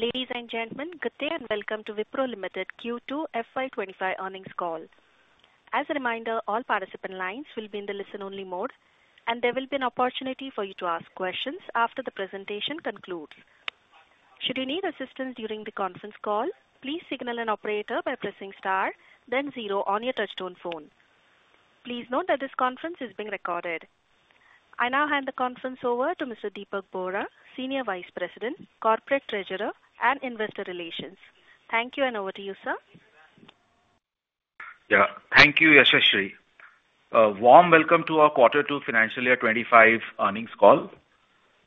Ladies and gentlemen, Good day, and Welcome to Wipro Limited Q2 FY '25 Earnings Call. As a reminder, all participant lines will be in the listen-only mode, and there will be an opportunity for you to ask questions after the presentation concludes. Should you need assistance during the conference call, please signal an operator by pressing star, then zero on your touchtone phone. Please note that this conference is being recorded. I now hand the conference over to Mr. Dipak Bohra, Senior Vice President, Corporate Treasurer, and Investor Relations. Thank you, and over to you, sir. Yeah. Thank you, Yashashri. A warm welcome to our Quarter Two Financial Year 25 Earnings Call.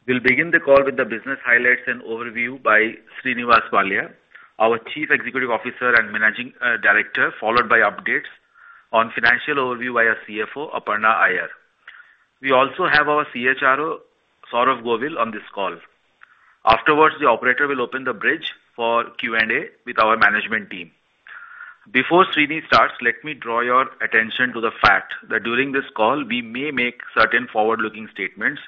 We'll begin the call with the business highlights and overview by Srinivas Pallia, our Chief Executive Officer and Managing Director, followed by Updates on Financial Overview by our CFO, Aparna Iyer. We also have our CHRO, Saurabh Govil, on this call. Afterwards, the operator will open the bridge for Q&A with our management team. Before Srini starts, let me draw your attention to the fact that during this call, we may make certain forward-looking statements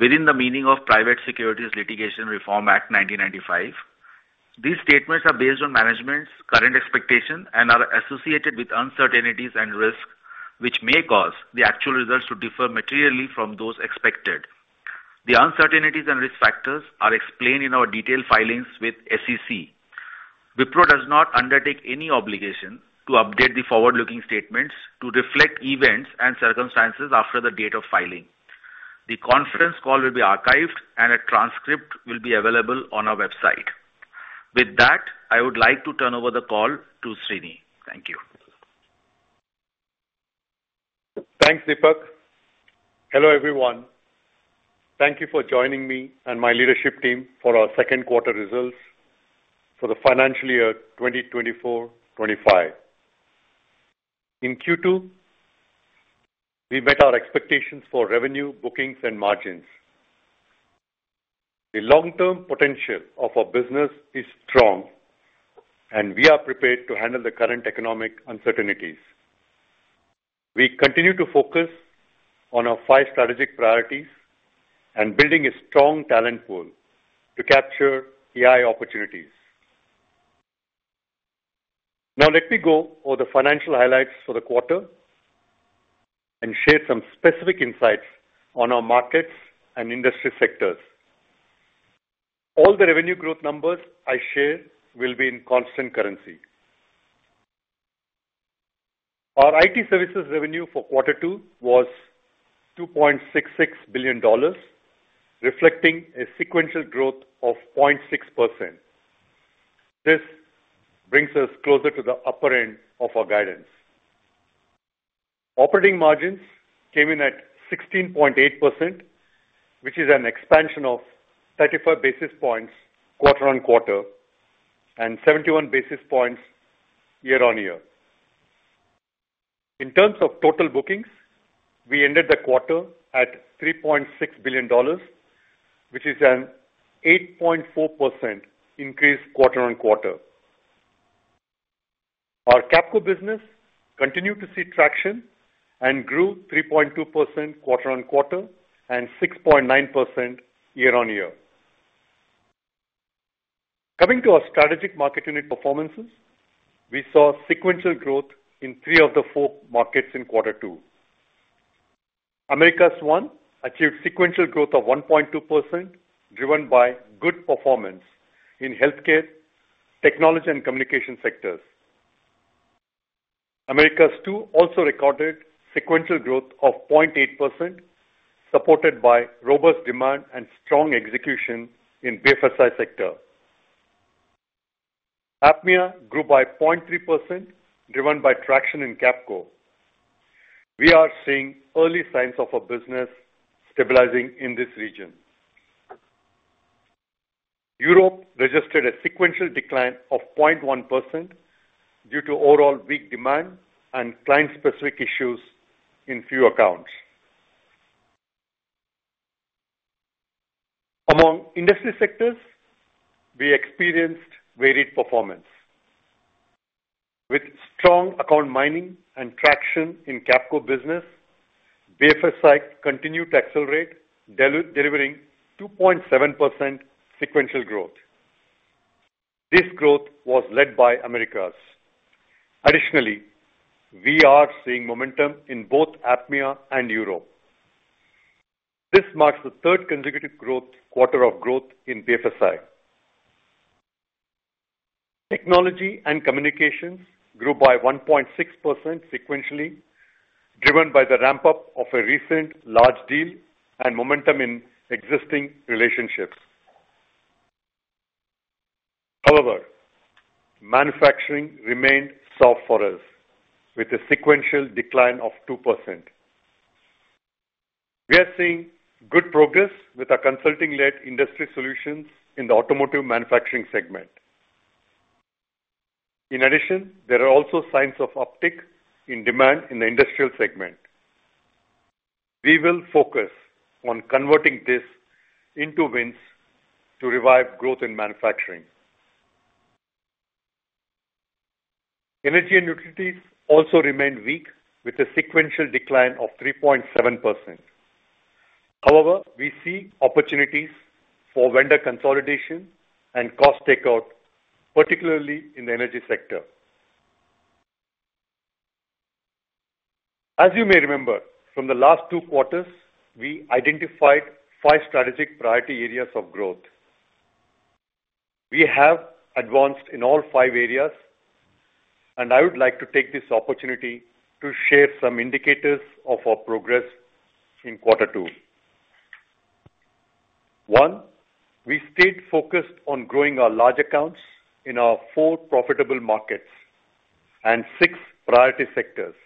within the meaning of Private Securities Litigation Reform Act of 1995. These statements are based on management's current expectation and are associated with uncertainties and risks, which may cause the actual results to differ materially from those expected. The uncertainties and risk factors are explained in our detailed filings with SEC. Wipro does not undertake any obligation to update the forward-looking statements to reflect events and circumstances after the date of filing. The conference call will be archived, and a transcript will be available on our website. With that, I would like to turn over the call to Srini. Thank you. Thanks, Dipak. Hello, everyone. Thank you for joining me and my leadership team for our second quarter results for the financial year 2024, 25. In Q2, we met our expectations for revenue, bookings, and margins. The long-term potential of our business is strong, and we are prepared to handle the current economic uncertainties. We continue to focus on our five strategic priorities and building a strong talent pool to capture AI opportunities. Now, let me go over the financial highlights for the quarter and share some specific insights on our markets and industry sectors. All the revenue growth numbers I share will be in constant currency. Our IT services revenue for quarter two was $2.66 billion, reflecting a sequential growth of 0.6%. This brings us closer to the upper end of our guidance. Operating margins came in at 16.8%, which is an expansion of 35 basis points quarter-on-quarter and 71 basis points year-on-year. In terms of total bookings, we ended the quarter at $3.6 billion, which is an 8.4% increase quarter-on-quarter. Our Capco business continued to see traction and grew 3.2% quarter-on-quarter and 6.9% year-on-year. Coming to our strategic market unit performances, we saw sequential growth in three of the four markets in quarter two. Americas 1 achieved sequential growth of 1.2%, driven by good performance in healthcare, technology, and communication sectors. Americas 2 also recorded sequential growth of 0.8%, supported by robust demand and strong execution in BFSI sector. APMEA grew by 0.3%, driven by traction in Capco. We are seeing early signs of our business stabilizing in this region. Europe registered a sequential decline of 0.1% due to overall weak demand and client-specific issues in few accounts. Among industry sectors, we experienced varied performance. With strong account mining and traction in Capco business, BFSI continued to accelerate, delivering 2.7% sequential growth. This growth was led by Americas. Additionally, we are seeing momentum in both APMEA and Europe. This marks the third consecutive quarter of growth in BFSI. Technology and communications grew by 1.6% sequentially, driven by the ramp-up of a recent large deal and momentum in existing relationships. However, manufacturing remained soft for us, with a sequential decline of 2%. We are seeing good progress with our consulting-led industry solutions in the automotive manufacturing segment. In addition, there are also signs of uptick in demand in the industrial segment. We will focus on converting this into wins to revive growth in manufacturing. Energy and utilities also remain weak, with a sequential decline of 3.7%. However, we see opportunities for vendor consolidation and cost takeout, particularly in the energy sector. As you may remember from the last two quarters, we identified five strategic priority areas of growth. We have advanced in all five areas, and I would like to take this opportunity to share some indicators of our progress in quarter two. One, we stayed focused on growing our large accounts in our four profitable markets and six priority sectors,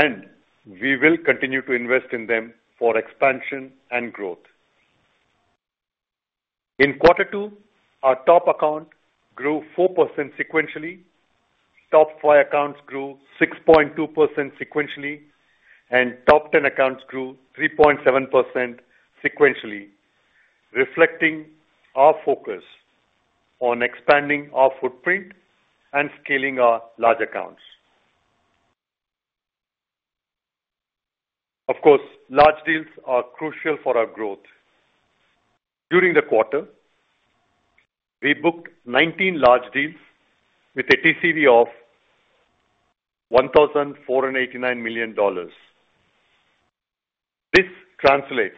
and we will continue to invest in them for expansion and growth. In quarter two, our top account grew 4% sequentially, top five accounts grew 6.2% sequentially, and top ten accounts grew 3.7% sequentially, reflecting our focus on expanding our footprint and scaling our large accounts. Of course, large deals are crucial for our growth. During the quarter, we booked 19 large deals with a TCV of $1,489 million. This translates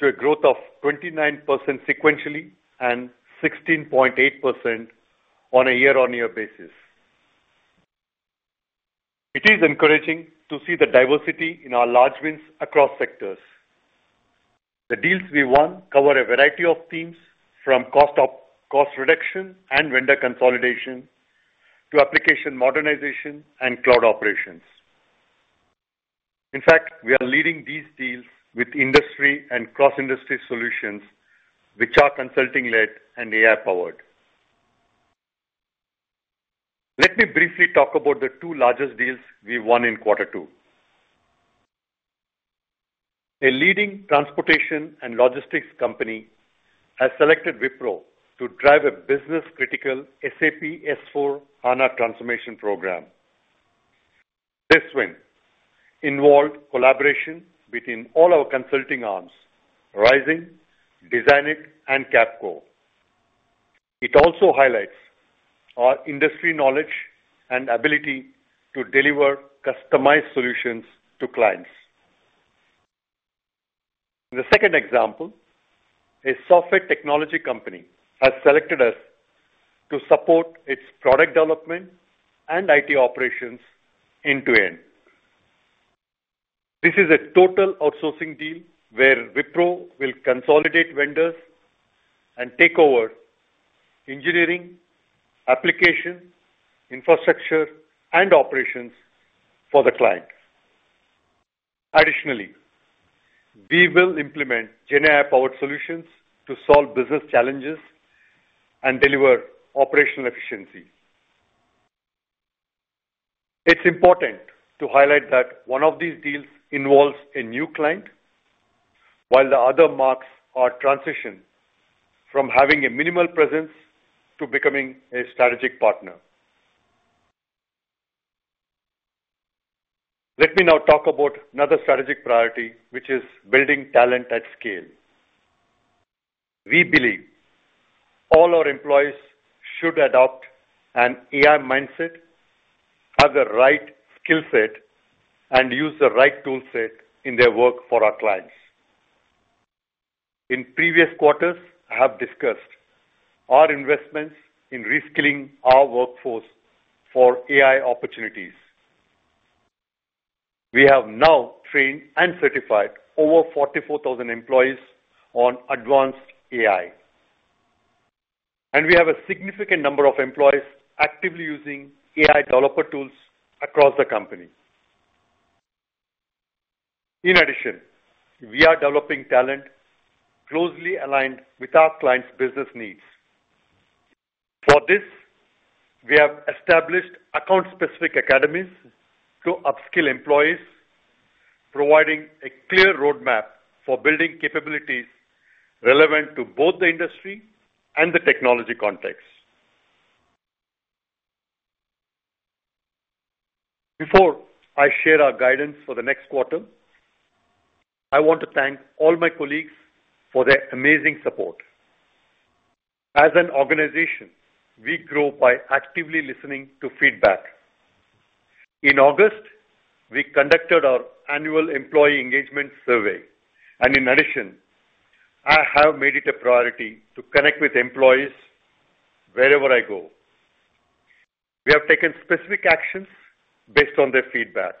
to a growth of 29% sequentially and 16.8% on a year-on-year basis. It is encouraging to see the diversity in our large wins across sectors. The deals we won cover a variety of themes, from cost reduction and vendor consolidation to application modernization and cloud operations. In fact, we are leading these deals with industry and cross-industry solutions, which are consulting-led and AI-powered. Let me briefly talk about the two largest deals we won in quarter two. A leading transportation and logistics company has selected Wipro to drive a business-critical SAP S/4HANA transformation program. This win involved collaboration between all our consulting arms, Rizing, Designit, and Capco. It also highlights our industry knowledge and ability to deliver customized solutions to clients. The second example, a software technology company, has selected us to support its product development and IT operations end-to-end. This is a total outsourcing deal where Wipro will consolidate vendors and take over engineering, application, infrastructure, and operations for the client. Additionally, we will implement GenAI-powered solutions to solve business challenges and deliver operational efficiency. It's important to highlight that one of these deals involves a new client, while the other marks our transition from having a minimal presence to becoming a strategic partner. Let me now talk about another strategic priority, which is Building Talent At Scale. We believe all our employees should adopt an AI mindset, have the right skill set, and use the right tool set in their work for our clients. In previous quarters, I have discussed our investments in reskilling our workforce for AI opportunities. We have now trained and certified over forty-four thousand employees on advanced AI, and we have a significant number of employees actively using AI developer tools across the company. In addition, we are developing talent closely aligned with our clients' business needs. For this, we have established account-specific academies to upskill employees, providing a clear roadmap for building capabilities relevant to both the industry and the technology context. Before I share our guidance for the next quarter, I want to thank all my colleagues for their amazing support. As an organization, we grow by actively listening to feedback. In August, we conducted our annual employee engagement survey, and in addition, I have made it a priority to connect with employees wherever I go. We have taken specific actions based on their feedback.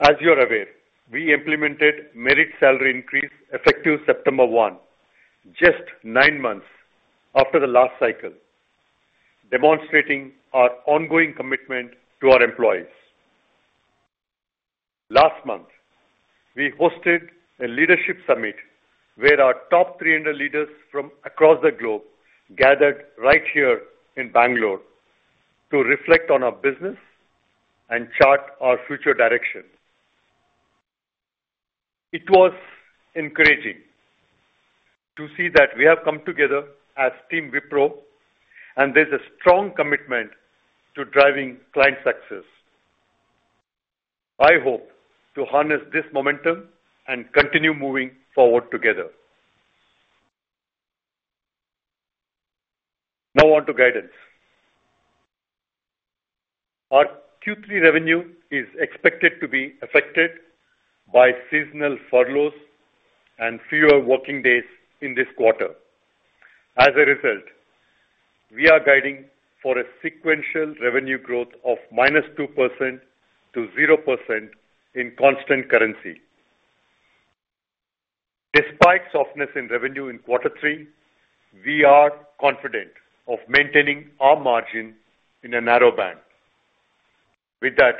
As you are aware, we implemented merit salary increase effective September one, just nine months after the last cycle, demonstrating our ongoing commitment to our employees. Last month, we hosted a leadership summit where our top three hundred leaders from across the globe gathered right here in Bangalore to reflect on our business and chart our future direction. It was encouraging to see that we have come together as Team Wipro, and there's a strong commitment to driving client success. I hope to harness this momentum and continue moving forward together. Now on to guidance. Our Q3 revenue is expected to be affected by seasonal furloughs and fewer working days in this quarter. As a result, we are guiding for a sequential revenue growth of minus 2%-0% in constant currency. Despite softness in revenue in quarter three, we are confident of maintaining our margin in a narrow band. With that,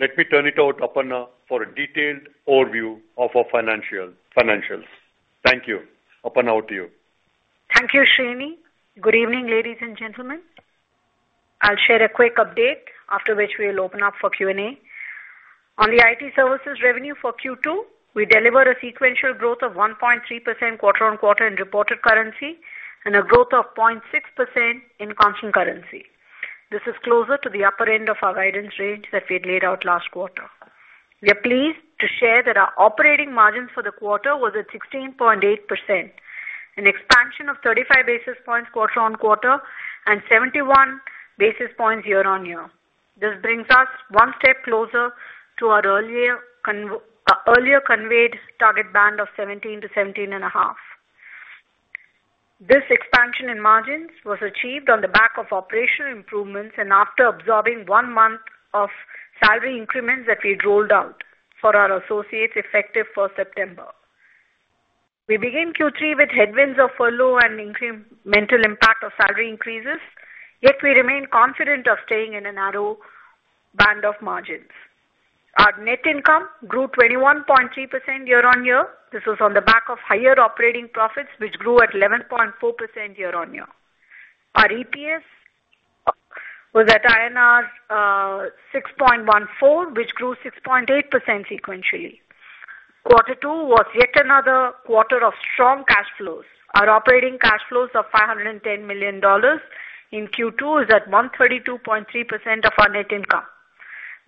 let me turn it over to Aparna for a detailed overview of our financials. Thank you. Aparna, over to you. Thank you, Srini. Good evening, ladies and gentlemen. I'll share a quick update, after which we'll open up for Q&A. On the IT services revenue for Q2, we delivered a sequential growth of 1.3% quarter-on-quarter in reported currency, and a growth of 0.6% in constant currency. This is closer to the upper end of our guidance range that we had laid out last quarter. We are pleased to share that our operating margin for the quarter was at 16.8%, an expansion of 35 basis points quarter-on-quarter and 71 basis points year-on-year. This brings us one step closer to our earlier conveyed target band of 17%-17.5%. This expansion in margins was achieved on the back of operational improvements and after absorbing one month of salary increments that we had rolled out for our associates, effective for September. We begin Q3 with headwinds of furlough and incremental impact of salary increases, yet we remain confident of staying in a narrow band of margins. Our net income grew 21.3% year-on-year. This was on the back of higher operating profits, which grew at 11.4% year-on-year. Our EPS was at INR 6.14, which grew 6.8% sequentially. Quarter two was yet another quarter of strong cash flows. Our operating cash flows of $510 million in Q2 is at 132.3% of our net income.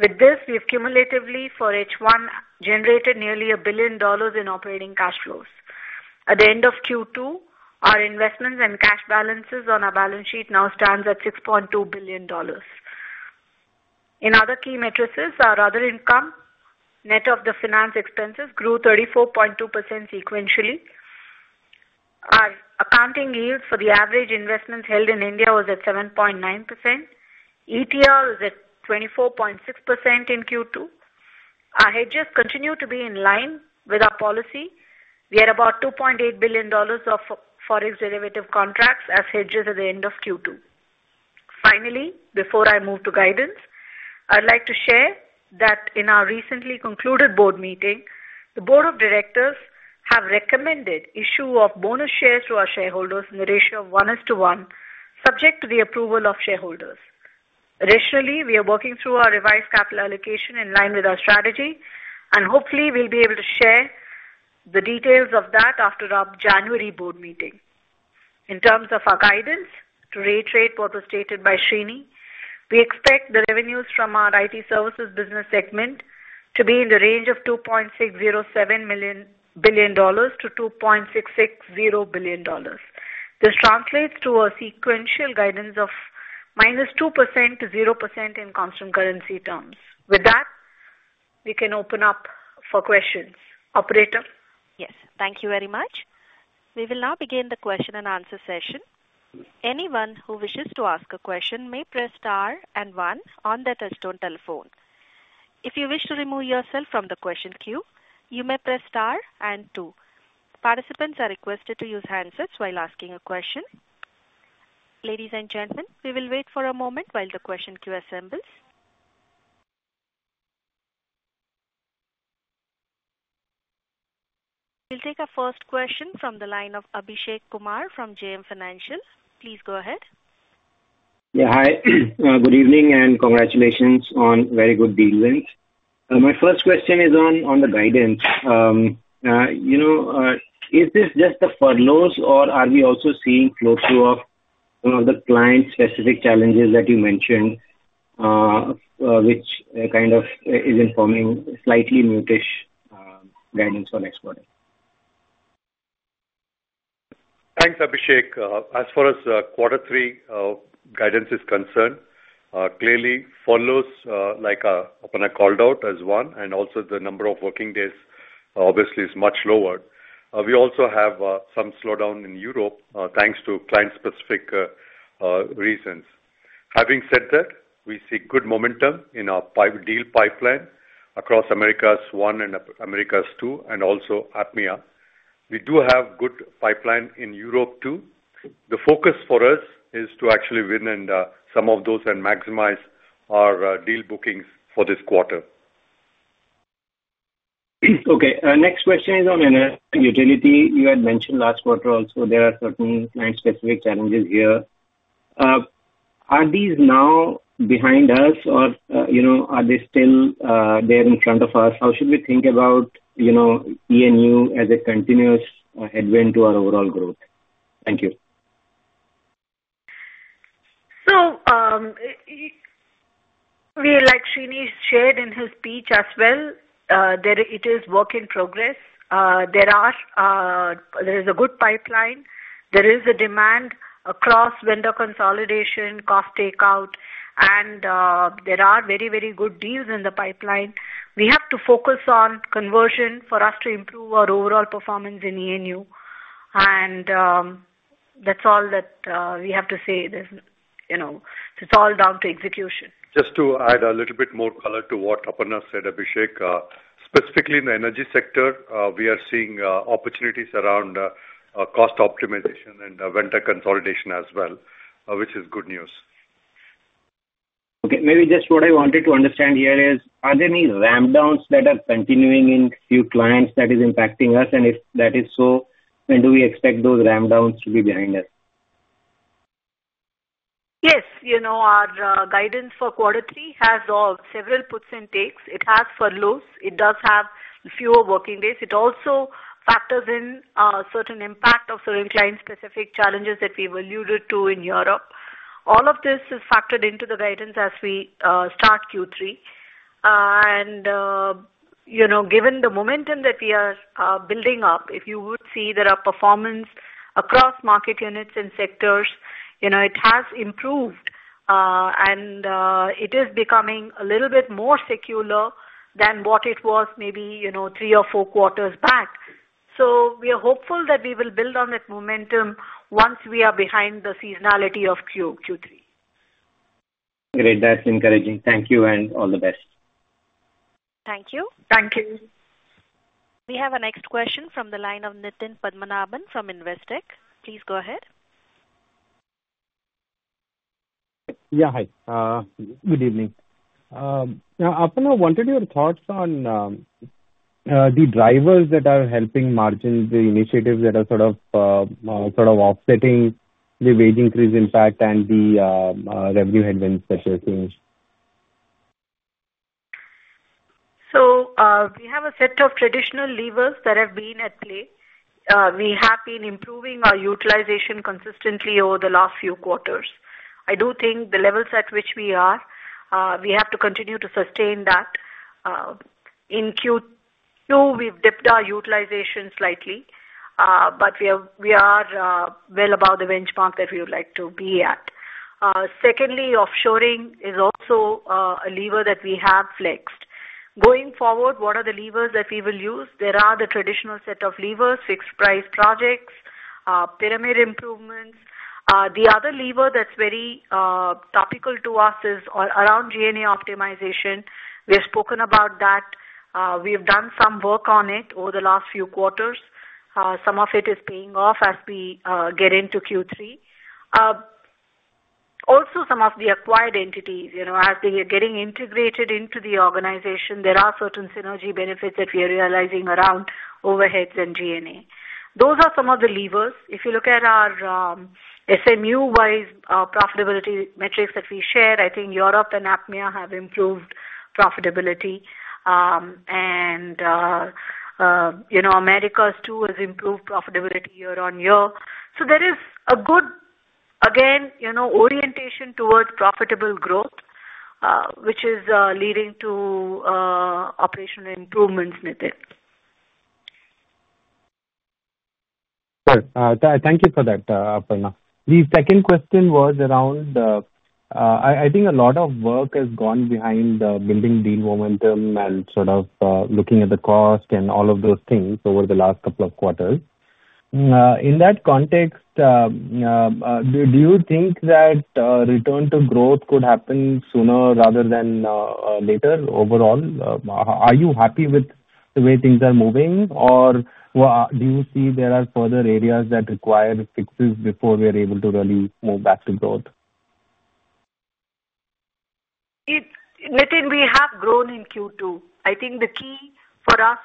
With this, we have cumulatively, for H1, generated nearly $1 billion in operating cash flows. At the end of Q2, our investments and cash balances on our balance sheet now stands at $6.2 billion. In other key metrics, our other income, net of the finance expenses, grew 34.2% sequentially. Our accounting yield for the average investments held in India was at 7.9%. ETR is at 24.6% in Q2. Our hedges continue to be in line with our policy. We are about $2.8 billion of forex derivative contracts as hedged at the end of Q2. Finally, before I move to guidance, I'd like to share that in our recently concluded board meeting, the board of directors have recommended issue of bonus shares to our shareholders in the ratio of one is to one, subject to the approval of shareholders. Additionally, we are working through our revised capital allocation in line with our strategy, and hopefully we'll be able to share the details of that after our January board meeting. In terms of our guidance, to reiterate what was stated by Srini, we expect the revenues from our IT services business segment to be in the range of $2.607 billion-$2.660 billion. This translates to a sequential guidance of minus 2%-0% in constant currency terms. With that, we can open up for questions. Operator? Yes, thank you very much. We will now begin the question-and-answer session. Anyone who wishes to ask a question may press star and one on their touchtone telephone. If you wish to remove yourself from the question queue, you may press star and two. Participants are requested to use handsets while asking a question. Ladies and gentlemen, we will wait for a moment while the question queue assembles. We'll take our first question from the line of Abhishek Kumar from JM Financial. Please go ahead. Yeah, hi. Good evening, and congratulations on very good deal wins. My first question is on the guidance. You know, is this just the furloughs, or are we also seeing flow-through of the client-specific challenges that you mentioned, kind of is informing slightly muted guidance for next quarter? Thanks, Abhishek. As far as quarter three guidance is concerned, clearly furloughs, like Aparna called out, as one, and also the number of working days obviously is much lower. We also have some slowdown in Europe, thanks to client-specific reasons. Having said that, we see good momentum in our deal pipeline across Americas 1 and Americas 2 and also APMEA. We do have good pipeline in Europe, too. The focus for us is to actually win and some of those and maximize our deal bookings for this quarter. Okay, next question is on utility. You had mentioned last quarter also there are certain client-specific challenges here. Are these now behind us or, you know, are they still there in front of us? How should we think about, you know, ENU as a continuous headwind to our overall growth? Thank you. So, like Srini shared in his speech as well. It is work in progress. There is a good pipeline. There is a demand across vendor consolidation, cost takeout, and there are very, very good deals in the pipeline. We have to focus on conversion for us to improve our overall performance in ENU, and that's all that we have to say. There's, you know, it's all down to execution. Just to add a little bit more color to what Aparna said, Abhishek, specifically in the energy sector, we are seeing opportunities around cost optimization and vendor consolidation as well, which is good news. Okay, maybe just what I wanted to understand here is, are there any ramp downs that are continuing in few clients that is impacting us? And if that is so, when do we expect those ramp downs to be behind us? Yes. You know, our guidance for quarter three has several puts and takes. It has furloughs. It does have fewer working days. It also factors in certain impact of certain client-specific challenges that we've alluded to in Europe. All of this is factored into the guidance as we start Q3. And you know, given the momentum that we are building up, if you would see there are performance across market units and sectors, you know, it has improved. And it is becoming a little bit more secular than what it was maybe, you know, three or four quarters back. So we are hopeful that we will build on that momentum once we are behind the seasonality of Q3. Great. That's encouraging. Thank you and all the best. Thank you. Thank you. We have our next question from the line of Nitin Padmanabhan from Investec. Please go ahead. Yeah, hi. Good evening. Now, Aparna, wanted your thoughts on the drivers that are helping margins, the initiatives that are sort of offsetting the wage increase impact and the revenue headwinds that you're seeing. We have a set of traditional levers that have been at play. We have been improving our utilization consistently over the last few quarters. I do think the levels at which we are, we have to continue to sustain that. In Q2, we've dipped our utilization slightly, but we are well above the benchmark that we would like to be at. Secondly, offshoring is also a lever that we have flexed. Going forward, what are the levers that we will use? There are the traditional set of levers, fixed price projects, pyramid improvements. The other lever that's very topical to us is around G&A optimization. We have spoken about that. We have done some work on it over the last few quarters. Some of it is paying off as we get into Q3. Also some of the acquired entities, you know, as they are getting integrated into the organization, there are certain synergy benefits that we are realizing around overheads and G&A. Those are some of the levers. If you look at our SMU-wise profitability metrics that we share, I think Europe and APMEA have improved profitability, and you know, Americas 2 has improved profitability year-on-year. So there is a good, again, you know, orientation towards profitable growth, which is leading to operational improvements, Nitin. Sure. Thank you for that, Aparna. The second question was around. I think a lot of work has gone behind building deal momentum and sort of looking at the cost and all of those things over the last couple of quarters. In that context, do you think that return to growth could happen sooner rather than later overall? Are you happy with the way things are moving, or do you see there are further areas that require fixes before we are able to really move back to growth? Nitin, we have grown in Q2. I think the key for us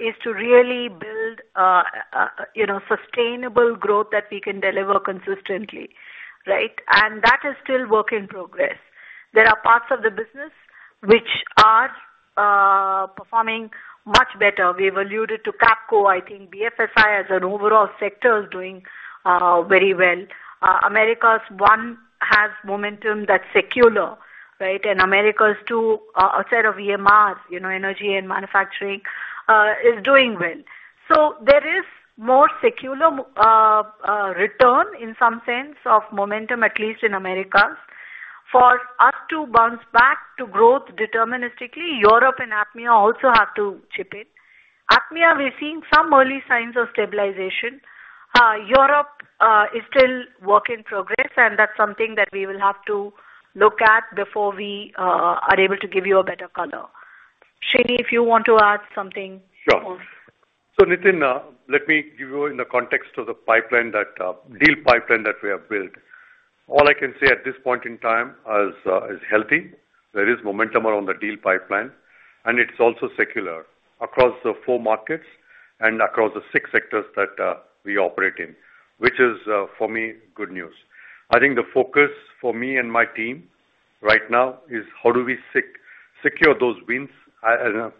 is to really build you know sustainable growth that we can deliver consistently, right? And that is still work in progress. There are parts of the business which are performing much better. We've alluded to Capco. I think BFSI as an overall sector is doing very well. Americas One has momentum that's secular, right? And Americas 2, a set of ENU, you know, energy and manufacturing, is doing well. So there is more secular return in some sense of momentum, at least in Americas. For us to bounce back to growth deterministically, Europe and APMEA also have to chip in. APMEA, we're seeing some early signs of stabilization. Europe is still work in progress, and that's something that we will have to look at before we are able to give you a better color. Srini, if you want to add something? Sure. So, Nitin, let me give you in the context of the pipeline that, deal pipeline that we have built. All I can say at this point in time, is healthy. There is momentum around the deal pipeline, and it's also secular across the four markets and across the six sectors that, we operate in, which is, for me, good news. I think the focus for me and my team right now is how do we secure those wins,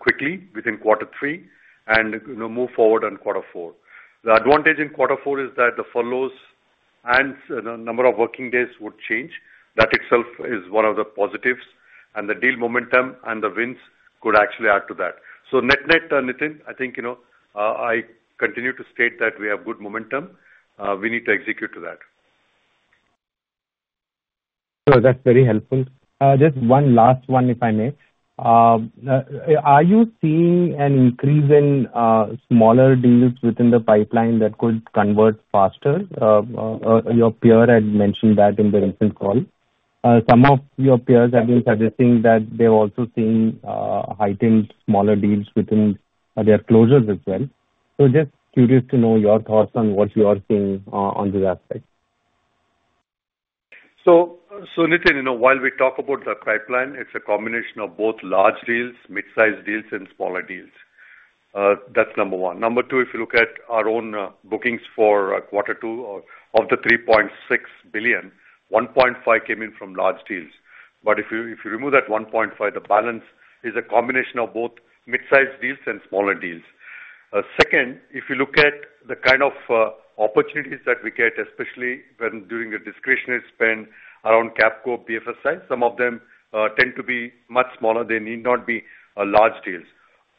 quickly within quarter three and, you know, move forward on quarter four. The advantage in quarter four is that the furloughs and the number of working days would change. That itself is one of the positives, and the deal momentum and the wins could actually add to that. So net-net, Nitin, I think, you know, I continue to state that we have good momentum. We need to execute to that. That's very helpful. Just one last one, if I may. Are you seeing an increase in smaller deals within the pipeline that could convert faster? Your peer had mentioned that in the recent call. Some of your peers have been suggesting that they've also seen heightened smaller deals within their closures as well. So just curious to know your thoughts on what you are seeing on this aspect. Nitin, you know, while we talk about the pipeline, it's a combination of both large deals, mid-sized deals and smaller deals. That's number one. Number two, if you look at our own bookings for quarter two, of the $3.6 billion, $1.5 billion came in from large deals. But if you remove that $1.5 billion, the balance is a combination of both mid-sized deals and smaller deals. Second, if you look at the kind of opportunities that we get, especially when doing a discretionary spend around Capco BFSI, some of them tend to be much smaller. They need not be large deals.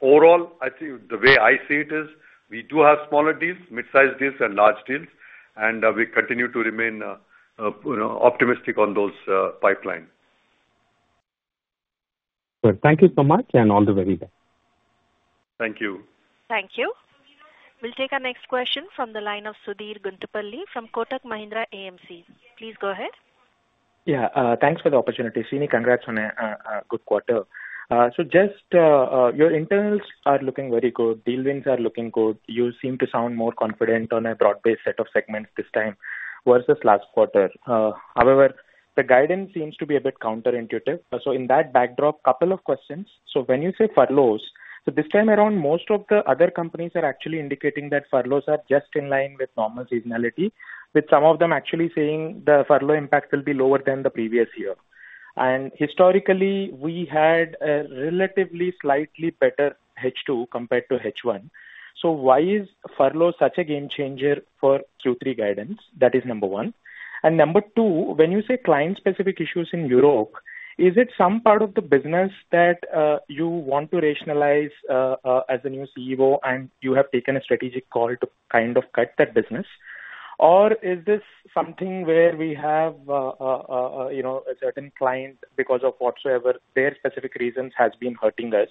Overall, I think the way I see it is we do have smaller deals, mid-sized deals and large deals, and we continue to remain, you know, optimistic on those pipeline. Good. Thank you so much, and all the very best. Thank you. Thank you. We'll take our next question from the line of Sudhir Guntupalli from Kotak Mahindra AMC. Please go ahead. Yeah, thanks for the opportunity. Srini, congrats on a good quarter. So just your internals are looking very good. Deal wins are looking good. You seem to sound more confident on a broad-based set of segments this time versus last quarter. However, the guidance seems to be a bit counterintuitive. So in that backdrop, couple of questions. So when you say furloughs, so this time around, most of the other companies are actually indicating that furloughs are just in line with normal seasonality, with some of them actually saying the furlough impact will be lower than the previous year. And historically, we had a relatively slightly better H2 compared to H1. So why is furlough such a game changer for Q3 guidance? That is number one. And number two, when you say client-specific issues in Europe, is it some part of the business that you want to rationalize as the new CEO, and you have taken a strategic call to kind of cut that business? Or is this something where we have you know a certain client, because of whatsoever, their specific reasons has been hurting us?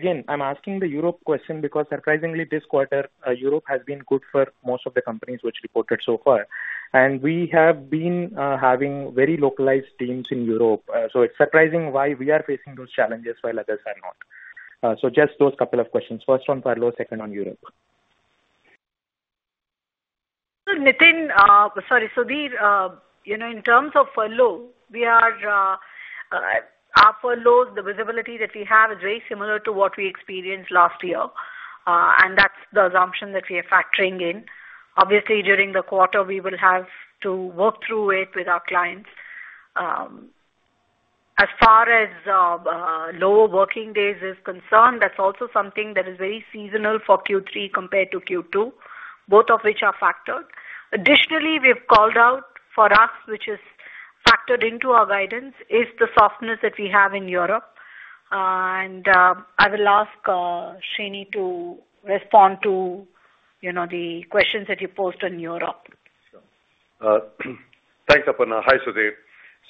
Again, I'm asking the Europe question because surprisingly, this quarter, Europe has been good for most of the companies which reported so far, and we have been having very localized teams in Europe. So it's surprising why we are facing those challenges while others are not. So just those couple of questions. First on furlough, second on Europe. Sir, Nitin, sorry, Sudhir, you know, in terms of furlough, we are, our furloughs, the visibility that we have is very similar to what we experienced last year, and that's the assumption that we are factoring in. Obviously, during the quarter, we will have to work through it with our clients. As far as lower working days is concerned, that's also something that is very seasonal for Q3 compared to Q2, both of which are factored. Additionally, we have called out for us, which is factored into our guidance, is the softness that we have in Europe. And I will ask Srini to respond to, you know, the questions that you posed on Europe. Thanks, Aparna. Hi, Sudhir.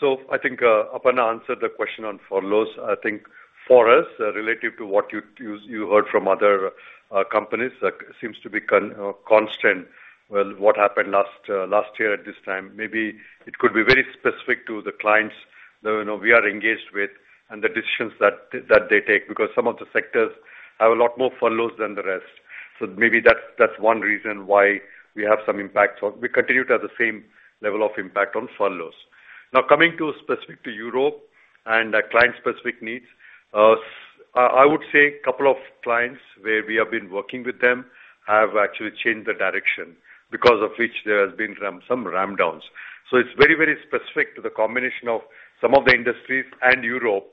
So I think, Aparna answered the question on furloughs. I think for us, relative to what you heard from other companies, seems to be consistent with what happened last year at this time. Maybe it could be very specific to the clients that, you know, we are engaged with and the decisions that they take, because some of the sectors have a lot more furloughs than the rest. So maybe that's one reason why we have some impact. So we continue to have the same level of impact on furloughs. Now, coming to specific to Europe and client-specific needs, I would say a couple of clients where we have been working with them have actually changed the direction, because of which there has been some ramp downs. So it's very, very specific to the combination of some of the industries and Europe,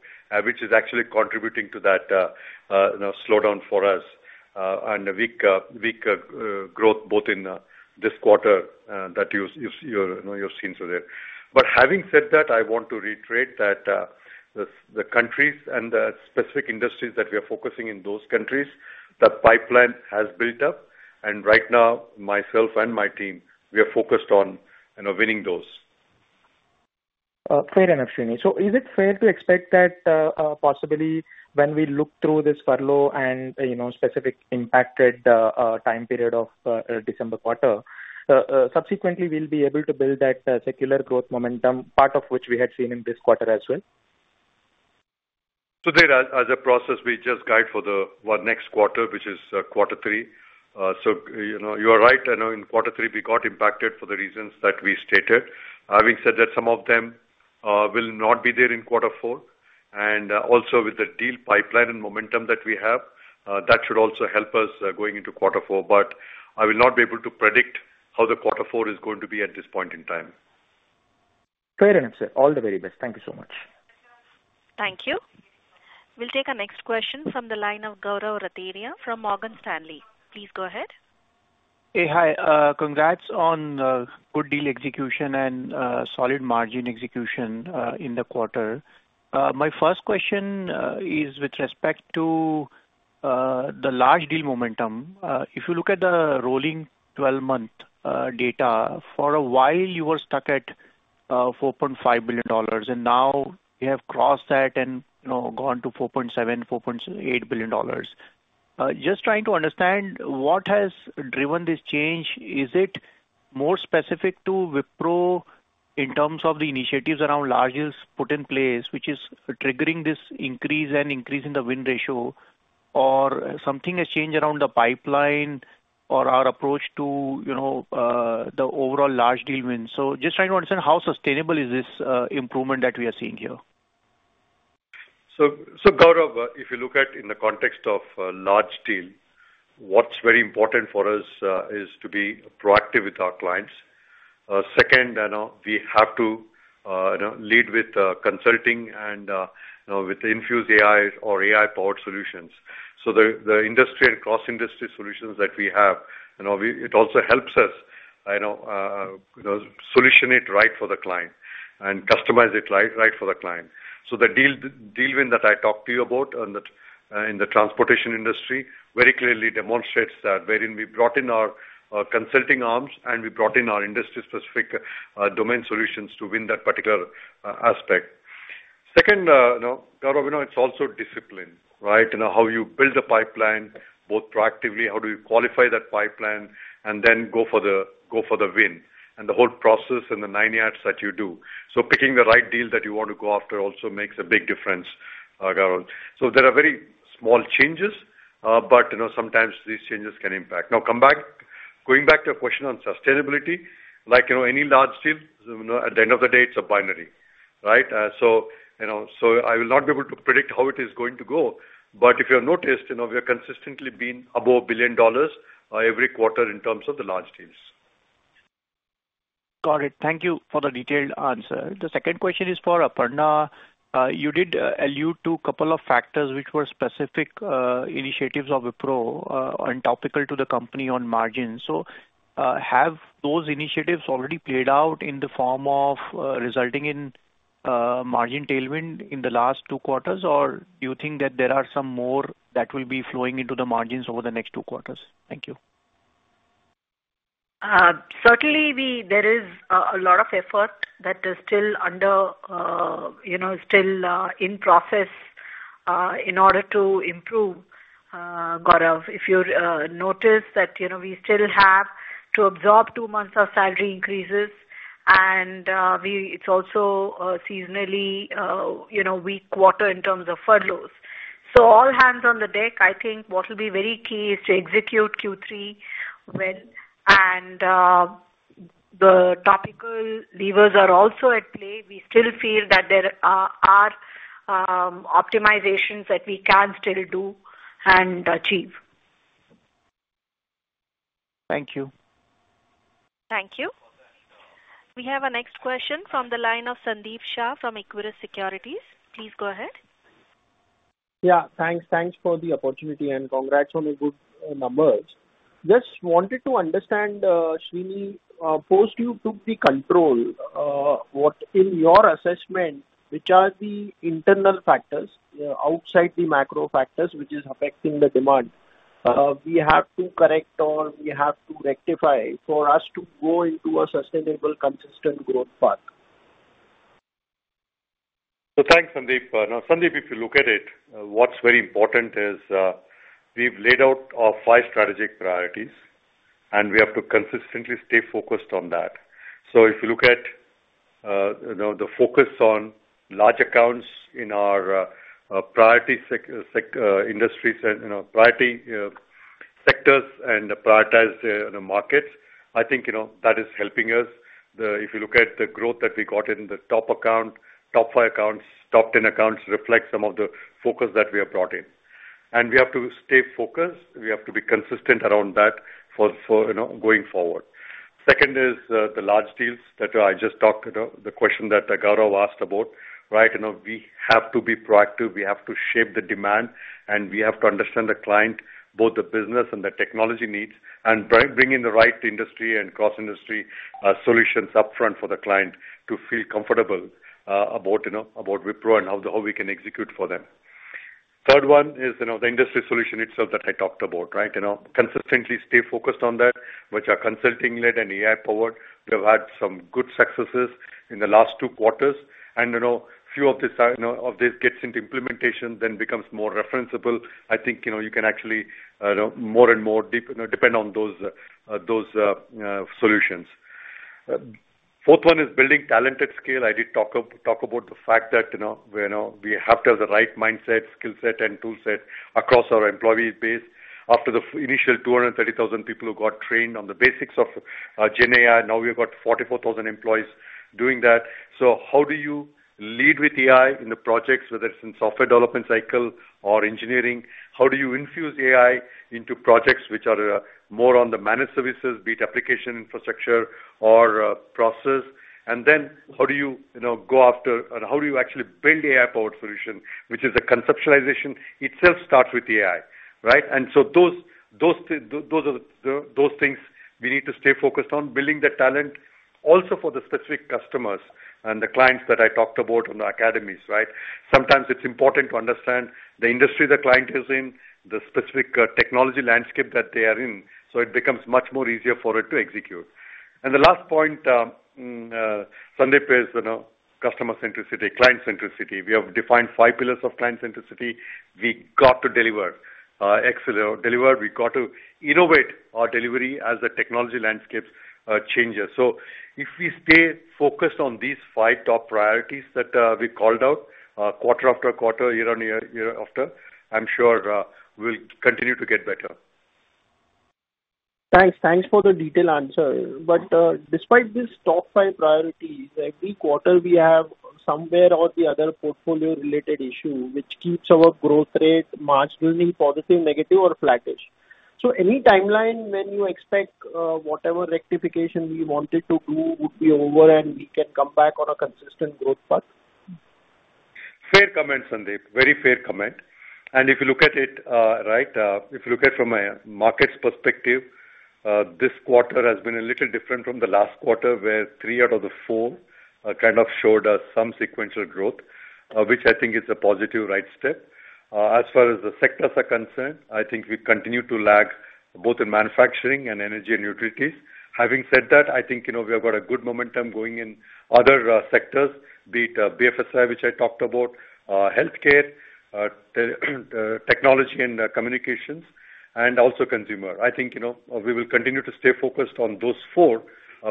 which is actually contributing to that, you know, slowdown for us, and a weak growth both in this quarter that you know you've seen so there. But having said that, I want to reiterate that the countries and the specific industries that we are focusing in those countries, that pipeline has built up. And right now, myself and my team, we are focused on, you know, winning those. Fair enough, Srini. So is it fair to expect that, possibly when we look through this furlough and, you know, specific impacted, time period of, December quarter, subsequently we'll be able to build that, secular growth momentum, part of which we had seen in this quarter as well? So, as a process, we just guide for, well, the next quarter, which is quarter three. So, you know, you are right. In quarter three, we got impacted for the reasons that we stated. Having said that, some of them will not be there in quarter four, and also with the deal pipeline and momentum that we have, that should also help us going into quarter four. But I will not be able to predict how the quarter four is going to be at this point in time. Fair enough, sir. All the very best. Thank you so much. Thank you. We'll take our next question from the line of Gaurav Rateria from Morgan Stanley. Please go ahead. Hey, hi. Congrats on good deal execution and solid margin execution in the quarter. My first question is with respect to the large deal momentum. If you look at the rolling twelve-month data, for a while, you were stuck at $4.5 billion, and now you have crossed that and, you know, gone to $4.7-$4.8 billion. Just trying to understand, what has driven this change? Is it more specific to Wipro in terms of the initiatives around large deals put in place, which is triggering this increase and increase in the win ratio? Or something has changed around the pipeline or our approach to, you know, the overall large deal win? Just trying to understand how sustainable is this improvement that we are seeing here. So, Gaurav, if you look at in the context of large deal, what's very important for us is to be proactive with our clients. Second, you know, we have to, you know, lead with consulting and, you know, with infused AI or AI-powered solutions. So the industry and cross-industry solutions that we have, you know, it also helps us, you know, solution it right for the client and customize it right, right for the client. So the deal win that I talked to you about in the transportation industry very clearly demonstrates that, wherein we brought in our consulting arms and we brought in our industry-specific domain solutions to win that particular aspect. Second, you know, Gaurav, you know, it's also discipline, right? You know, how you build a pipeline, both proactively, how do you qualify that pipeline, and then go for the win, and the whole process and the nine acts that you do. So picking the right deal that you want to go after also makes a big difference, Gaurav. So there are very small changes, but, you know, sometimes these changes can impact. Now, coming back. Going back to your question on sustainability, like, you know, any large deal, you know, at the end of the day, it's a binary, right? So, you know, so I will not be able to predict how it is going to go. But if you have noticed, you know, we have consistently been above $1 billion, every quarter in terms of the large deals. Got it. Thank you for the detailed answer. The second question is for Aparna. You did allude to a couple of factors which were specific initiatives of Wipro and topical to the company on margins. So, have those initiatives already played out in the form of resulting in margin tailwind in the last two quarters? Or do you think that there are some more that will be flowing into the margins over the next two quarters? Thank you. Certainly, there is a lot of effort that is still under, you know, still in process in order to improve, Gaurav. If you notice that, you know, we still have to absorb two months of salary increases, and it's also a seasonally, you know, weak quarter in terms of furloughs, so all hands on the deck. I think what will be very key is to execute Q3 well, and the topical levers are also at play. We still feel that there are optimizations that we can still do and achieve. Thank you. Thank you. We have our next question from the line of Sandeep Shah from Equirus Securities. Please go ahead. Yeah, thanks. Thanks for the opportunity, and congrats on the good numbers. Just wanted to understand, Srini, post you took the control, what in your assessment, which are the internal factors, outside the macro factors, which is affecting the demand, we have to correct or we have to rectify for us to go into a sustainable, consistent growth path? Thanks, Sandeep. Now, Sandeep, if you look at it, what's very important is, we've laid out our five strategic priorities, and we have to consistently stay focused on that. If you look at, you know, the focus on large accounts in our priority sectors and industries, you know, priority sectors and the prioritized markets, I think, you know, that is helping us. If you look at the growth that we got in the top account, top five accounts, top ten accounts, reflect some of the focus that we have brought in. We have to stay focused. We have to be consistent around that for, you know, going forward. Second is, the large deals that I just talked about, the question that Gaurav asked about, right? You know, we have to be proactive, we have to shape the demand, and we have to understand the client, both the business and the technology needs, and bring in the right industry and cross-industry solutions upfront for the client to feel comfortable about, you know, about Wipro and how we can execute for them. Third one is, you know, the industry solution itself that I talked about, right? You know, consistently stay focused on that, which are consulting-led and AI-powered. We have had some good successes in the last two quarters, and, you know, few of this, you know, of this gets into implementation, then becomes more referenceable. I think, you know, you can actually more and more depend on those solutions. Fourth one is building talented scale. I did talk about the fact that, you know, we have to have the right mindset, skill set, and tool set across our employee base. After the initial 230,000 people who got trained on the basics of GenAI, now we've got 44,000 employees doing that. So how do you lead with AI in the projects, whether it's in software development cycle or engineering? How do you infuse AI into projects which are more on the managed services, be it application, infrastructure or process? And then how do you, you know, go after and how do you actually build AI-powered solution, which is the conceptualization itself starts with AI, right? Those are the things we need to stay focused on building the talent also for the specific customers and the clients that I talked about on the academies, right? Sometimes it's important to understand the industry the client is in, the specific technology landscape that they are in, so it becomes much more easier for it to execute. The last point is, you know, customer centricity, client centricity. We have defined five pillars of client centricity. We got to deliver, excel, deliver. We got to innovate our delivery as the technology landscapes changes. So if we stay focused on these five top priorities that we called out quarter-after-quarter, year-on-year, year after, I'm sure we'll continue to get better. Thanks. Thanks for the detailed answer. But, despite these top five priorities, every quarter we have somewhere or the other portfolio-related issue, which keeps our growth rate marginally positive, negative or flattish. So any timeline when you expect, whatever rectification we wanted to do would be over, and we can come back on a consistent growth path? Fair comment, Sandeep. Very fair comment. And if you look at it, right, if you look at from a market's perspective, this quarter has been a little different from the last quarter, where three out of the four, kind of showed us some sequential growth, which I think is a positive right step. As far as the sectors are concerned, I think we continue to lag both in manufacturing and energy and utilities. Having said that, I think, you know, we have got a good momentum going in other, sectors, be it, BFSI, which I talked about, healthcare, technology and, communications, and also consumer. I think, you know, we will continue to stay focused on those four,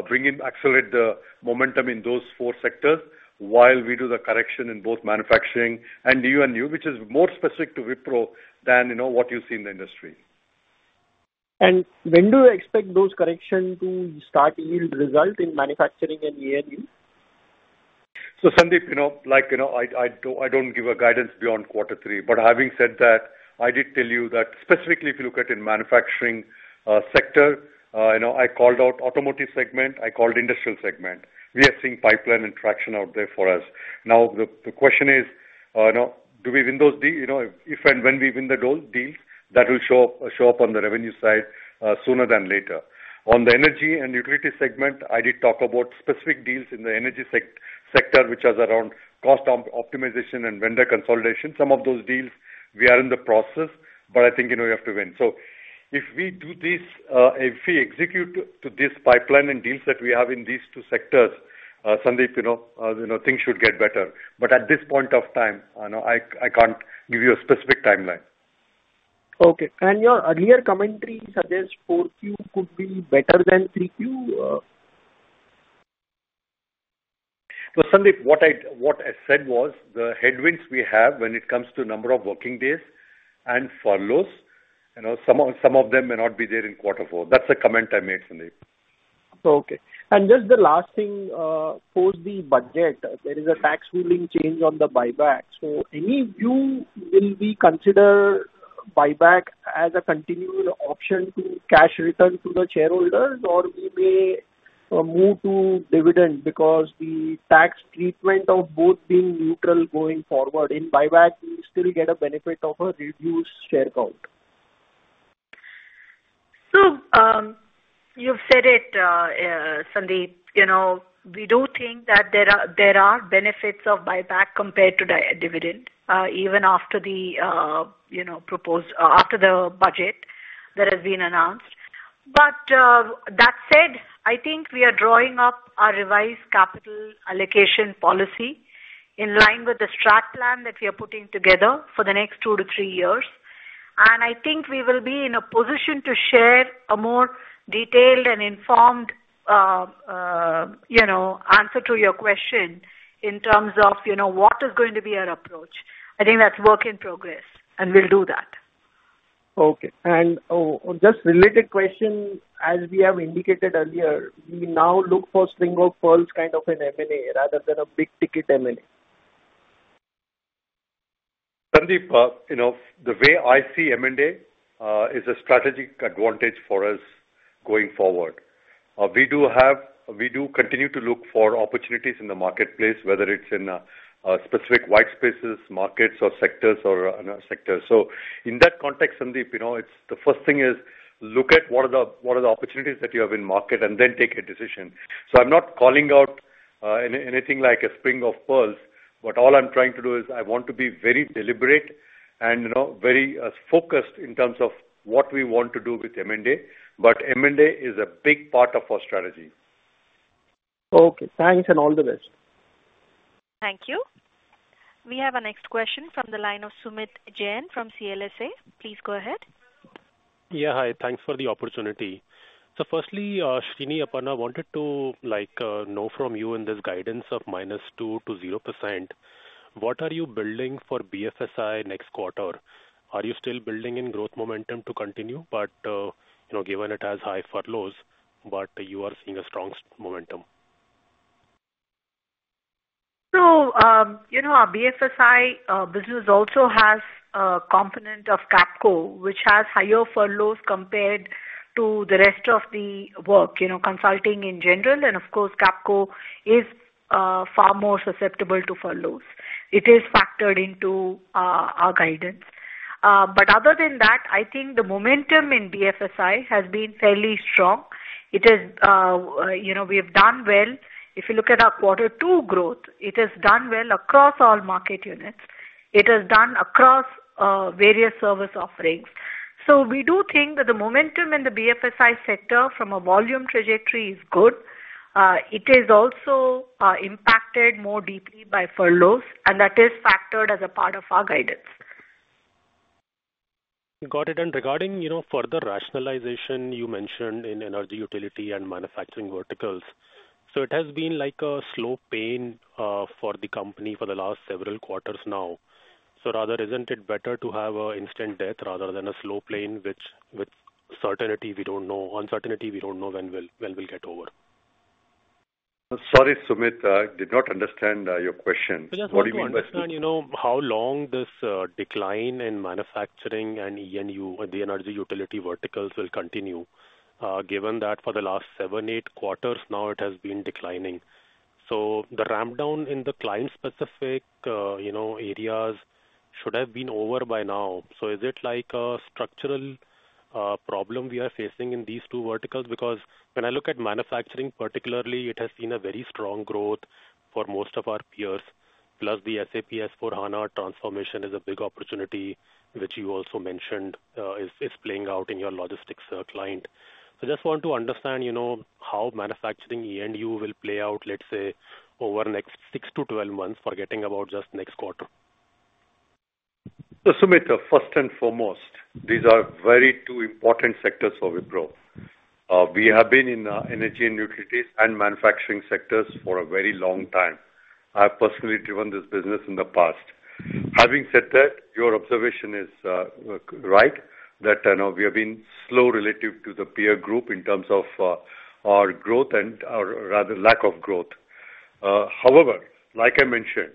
bring in, accelerate the momentum in those four sectors while we do the correction in both manufacturing and ENU, which is more specific to Wipro than, you know, what you see in the industry. When do you expect those corrections to start yielding results in manufacturing and energy? So, Sandeep, you know, like, you know, I don't give a guidance beyond quarter three. But having said that, I did tell you that specifically, if you look at in manufacturing sector, you know, I called out automotive segment, I called industrial segment. We are seeing pipeline and traction out there for us. Now, the question is, you know, do we win those deals, you know, if and when we win those deals, that will show up, show up on the revenue side, sooner than later. On the energy and utility segment, I did talk about specific deals in the energy sector, which was around cost optimization and vendor consolidation. Some of those deals we are in the process, but I think, you know, we have to win. So if we do this, if we execute to this pipeline and deals that we have in these two sectors, Sandeep, you know, you know, things should get better. But at this point of time, no, I can't give you a specific timeline. Okay, and your earlier commentary suggests four Q could be better than three Q? Sandeep, what I said was the headwinds we have when it comes to number of working days and furloughs, you know, some of them may not be there in quarter four. That's the comment I made, Sandeep. Okay. And just the last thing, post the budget, there is a tax ruling change on the buyback. So any view, will we consider buyback as a continual option to cash return to the shareholders, or we may, move to dividend? Because the tax treatment of both being neutral going forward, in buyback, we still get a benefit of a reduced share count. You've said it, Sandeep. You know, we do think that there are benefits of buyback compared to dividend, even after the proposed after the budget that has been announced. But that said, I think we are drawing up our revised capital allocation policy in line with the strat plan that we are putting together for the next two to three years. And I think we will be in a position to share a more detailed and informed, you know, answer to your question in terms of, you know, what is going to be our approach. I think that's work in progress, and we'll do that. Okay, and just related question, as we have indicated earlier, we now look for string of pearls, kind of an M&A rather than a big-ticket M&A. Sandeep, you know, the way I see M&A is a strategic advantage for us going forward. We do have. We do continue to look for opportunities in the marketplace, whether it's in specific whitespaces, markets or sectors or another sector. So in that context, Sandeep, you know, it's the first thing is look at what are the opportunities that you have in market and then take a decision. So I'm not calling out anything like a string of pearls, but all I'm trying to do is I want to be very deliberate and, you know, very focused in terms of what we want to do with M&A, but M&A is a big part of our strategy. Okay, thanks, and all the best. ...Thank you. We have our next question from the line of Sumeet Jain from CLSA. Please go ahead. Yeah, hi. Thanks for the opportunity. So firstly, Srini, Aparna, I wanted to, like, know from you in this guidance of -2% to 0%, what are you building for BFSI next quarter? Are you still building in growth momentum to continue, but, you know, given it has high furloughs, but you are seeing a strong momentum? So, you know, our BFSI business also has a component of Capco, which has higher furloughs compared to the rest of the work, you know, consulting in general, and of course, Capco is far more susceptible to furloughs. It is factored into our guidance. But other than that, I think the momentum in BFSI has been fairly strong. It is, you know, we have done well. If you look at our quarter two growth, it has done well across all market units. It has done across various service offerings. So we do think that the momentum in the BFSI sector from a volume trajectory is good. It is also impacted more deeply by furloughs, and that is factored as a part of our guidance. Got it. And regarding, you know, further rationalization you mentioned in energy, utility, and manufacturing verticals. So it has been like a slow pain for the company for the last several quarters now. So rather, isn't it better to have an instant death rather than a slow pain, which with uncertainty we don't know when we'll get over? Sorry, Sumeet, I did not understand your question. What do you mean by- I just want to understand, you know, how long this, decline in manufacturing and E&U, the energy utility verticals, will continue, given that for the last seven, eight quarters now, it has been declining. So the ramp down in the client-specific, you know, areas should have been over by now. So is it like a structural, problem we are facing in these two verticals? Because when I look at manufacturing particularly, it has been a very strong growth for most of our peers, plus the SAP S/4HANA transformation is a big opportunity, which you also mentioned, is playing out in your logistics, client. I just want to understand, you know, how manufacturing E&U will play out, let's say, over the next six to 12 months, forgetting about just next quarter. Sumeet, first and foremost, these are two very important sectors for Wipro. We have been in energy and utilities and manufacturing sectors for a very long time. I have personally driven this business in the past. Having said that, your observation is right, that, you know, we have been slow relative to the peer group in terms of our growth and, or rather, lack of growth. However, like I mentioned,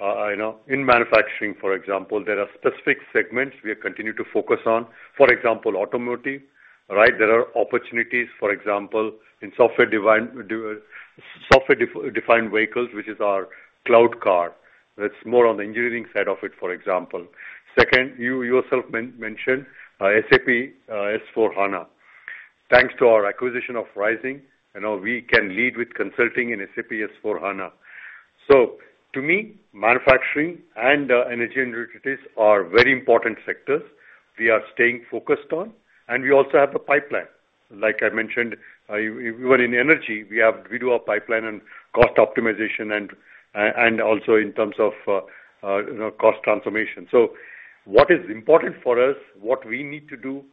you know, in manufacturing, for example, there are specific segments we continue to focus on. For example, automotive, right? There are opportunities, for example, in software-defined vehicles, which is our Cloud Car. That's more on the engineering side of it, for example. Second, you yourself mentioned SAP S/4HANA. Thanks to our acquisition of Rizing, you know, we can lead with consulting in SAP S/4HANA. So to me, manufacturing and energy and utilities are very important sectors we are staying focused on, and we also have the pipeline. Like I mentioned, even in energy, we have a pipeline and cost optimization and also in terms of you know, cost transformation. So what is important for us, what we need to do,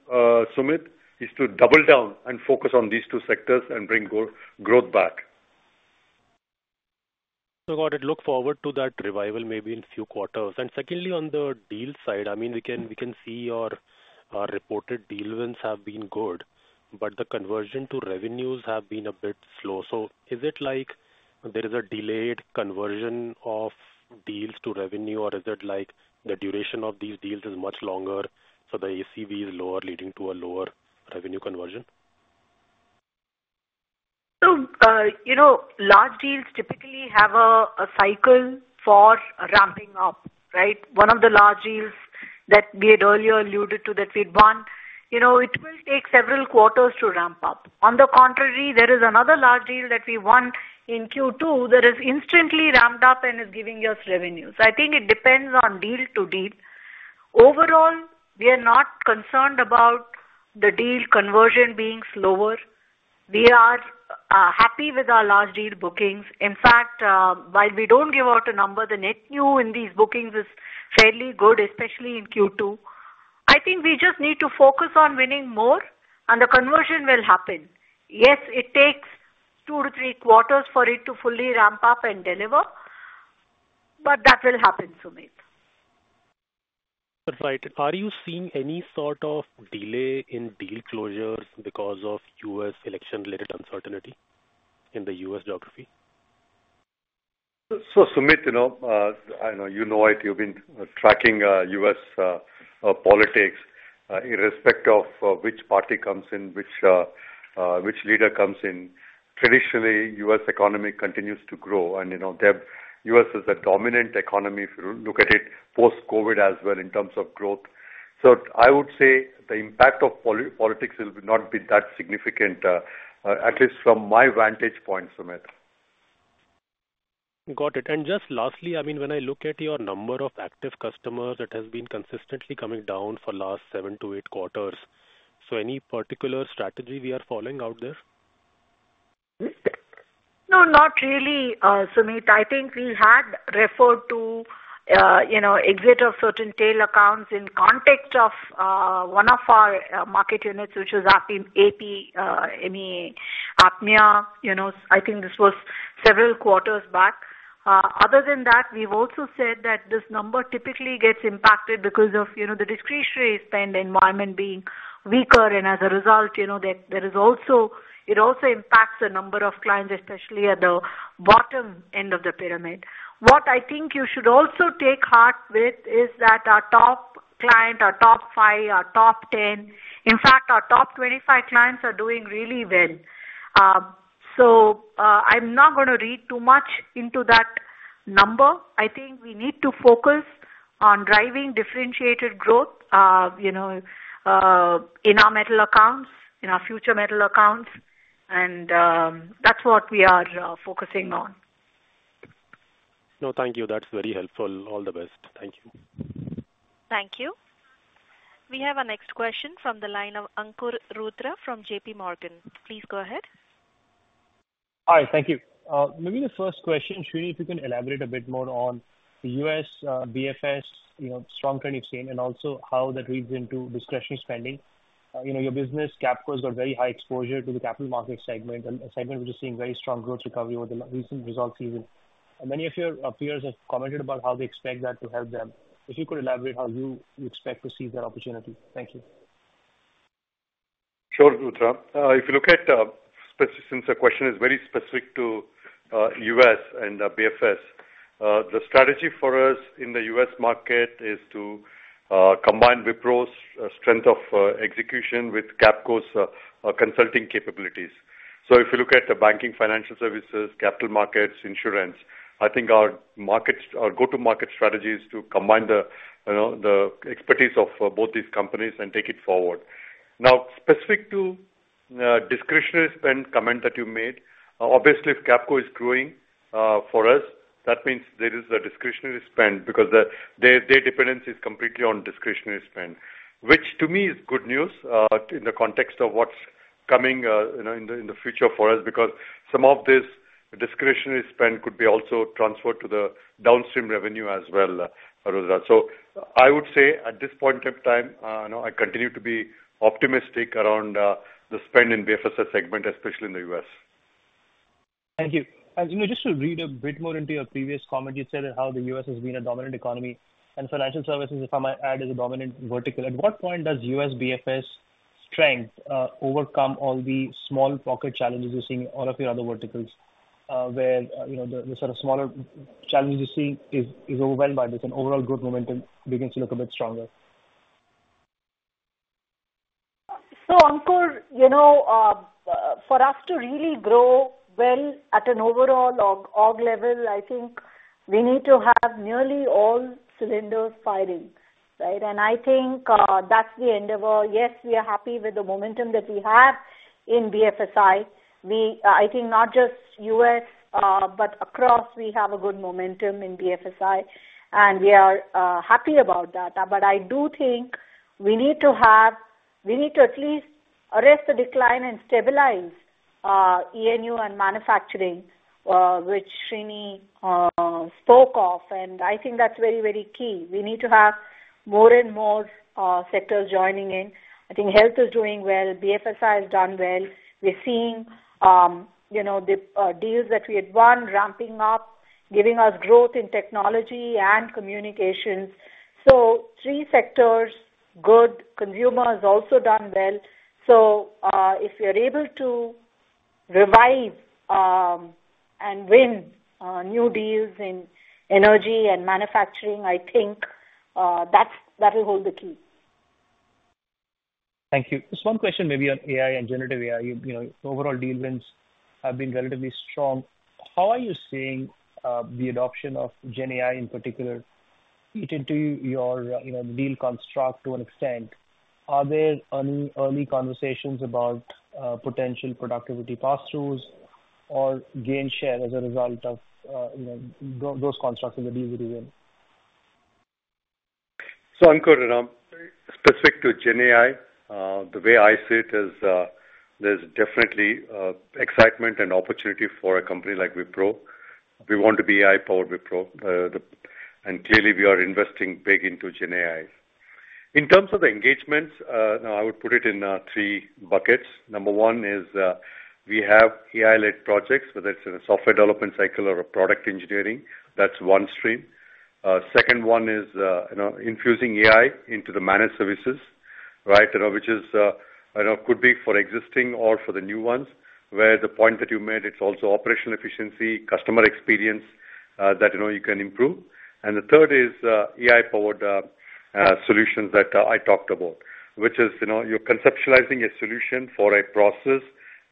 Sumeet, is to double down and focus on these two sectors and bring growth back. So, got it. Look forward to that revival, maybe in a few quarters. And secondly, on the deal side, I mean, we can, we can see your reported deal wins have been good, but the conversion to revenues have been a bit slow. So is it like there is a delayed conversion of deals to revenue, or is it like the duration of these deals is much longer, so the ACV is lower, leading to a lower revenue conversion? So, you know, large deals typically have a cycle for ramping up, right? One of the large deals that we had earlier alluded to that we'd won, you know, it will take several quarters to ramp up. On the contrary, there is another large deal that we won in Q2 that is instantly ramped up and is giving us revenues. I think it depends on deal to deal. Overall, we are not concerned about the deal conversion being slower. We are happy with our large deal bookings. In fact, while we don't give out a number, the net new in these bookings is fairly good, especially in Q2. I think we just need to focus on winning more and the conversion will happen. Yes, it takes two to three quarters for it to fully ramp up and deliver, but that will happen, Sumeet. Right. Are you seeing any sort of delay in deal closures because of U.S. election-related uncertainty in the U.S. geography? So, Sumeet, you know, I know you know it, you've been tracking, U.S. politics. Irrespective of which party comes in, which leader comes in, traditionally, U.S. economy continues to grow and, you know, the U.S. is a dominant economy, if you look at it, post-COVID as well, in terms of growth. So I would say the impact of politics will not be that significant, at least from my vantage point, Sumeet. Got it, and just lastly, I mean, when I look at your number of active customers, it has been consistently coming down for last seven to eight quarters.... So any particular strategy we are following out there? No, not really, Sumeet. I think we had referred to, you know, exit of certain tail accounts in context of, one of our, market units, which is APMEA. You know, I think this was several quarters back. Other than that, we've also said that this number typically gets impacted because of, you know, the discretionary spend environment being weaker. And as a result, you know, there is also - it also impacts the number of clients, especially at the bottom end of the pyramid. What I think you should also take heart with is that our top client, our top five, our top 10, in fact, our top 25 clients are doing really well. So, I'm not going to read too much into that number. I think we need to focus on driving differentiated growth, you know, in our middle accounts, in our future middle accounts, and that's what we are focusing on. No, thank you. That's very helpful. All the best. Thank you. Thank you. We have our next question from the line of Ankur Rudra from JPMorgan. Please go ahead. Hi, thank you. Maybe the first question, Srini, if you can elaborate a bit more on the U.S., BFS, you know, strong trend you've seen, and also how that reads into discretionary spending. You know, your business, Capco, has got very high exposure to the capital market segment, and a segment which is seeing very strong growth recovery over the recent result season. Many of your peers have commented about how they expect that to help them. If you could elaborate how you expect to see that opportunity. Thank you. Sure, Rudra. If you look at specific. Since the question is very specific to U.S. and BFS, the strategy for us in the U.S. market is to combine Wipro's strength of execution with Capco's consulting capabilities. So if you look at the banking financial services, capital markets, insurance, I think our markets, our go-to-market strategy is to combine the, you know, the expertise of both these companies and take it forward. Now, specific to discretionary spend comment that you made, obviously, if Capco is growing, for us, that means there is a discretionary spend, because their dependence is completely on discretionary spend. Which to me is good news, in the context of what's coming, you know, in the, in the future for us, because some of this discretionary spend could be also transferred to the downstream revenue as well, Rudra. So I would say at this point in time, you know, I continue to be optimistic around, the spend in BFS segment, especially in the U.S. Thank you. And, you know, just to read a bit more into your previous comment, you said how the U.S. has been a dominant economy, and financial services, if I might add, is a dominant vertical. At what point does U.S. BFS strength overcome all the small pocket challenges you're seeing in all of your other verticals, where, you know, the sort of smaller challenges you're seeing is overwhelmed by this and overall growth momentum begins to look a bit stronger? So, Ankur, you know, for us to really grow well at an overall org level, I think we need to have nearly all cylinders firing, right? And I think, that's the end of our. Yes, we are happy with the momentum that we have in BFSI. We, I think not just U.S., but across, we have a good momentum in BFSI, and we are, happy about that. But I do think we need to have. We need to at least arrest the decline and stabilize, Europe and manufacturing, which Srini, spoke of, and I think that's very, very key. We need to have more and more, sectors joining in. I think health is doing well. BFSI has done well. We're seeing, you know, the deals that we had won, ramping up, giving us growth in technology and communications. So three sectors, good. Consumer has also done well. So, if we are able to revive and win new deals in energy and manufacturing, I think that will hold the key. Thank you. Just one question maybe on AI and generative AI. You know, overall deal wins have been relatively strong. How are you seeing the adoption of GenAI in particular fit into your, you know, deal construct to an extent? Are there any early conversations about potential productivity pass-throughs or gain share as a result of, you know, those constructs in the deals that you win? So, Ankur, specific to GenAI, the way I see it is, there's definitely excitement and opportunity for a company like Wipro. We want to be AI-powered Wipro, and clearly, we are investing big into GenAI. In terms of the engagements, now I would put it in three buckets. Number one is, we have AI-led projects, whether it's in a software development cycle or a product engineering. That's one stream. Second one is, you know, infusing AI into the managed services, right? Which is, you know, could be for existing or for the new ones, where the point that you made, it's also operational efficiency, customer experience, that, you know, you can improve. And the third is AI-powered solutions that I talked about, which is, you know, you're conceptualizing a solution for a process